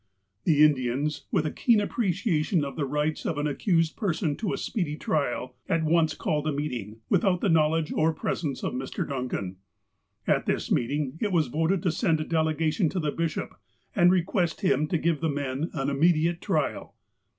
The Indians, with a keen appreciation of the rights of an accused person to a sx^eedy trial, at once called a meet ing, without the knowledge or presence of Mr. Duncan. At this meeting it was voted to send a delegation to the bishop, and request him to give the men an immediate trial.